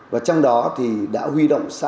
và trong đó thì đã huy động được